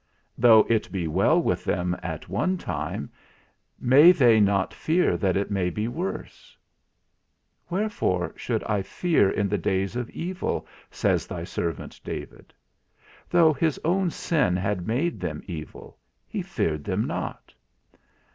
Though it be well with them at one time, may they not fear that it may be worse? Wherefore should I fear in the days of evil? says thy servant David. Though his own sin had made them evil, he feared them not.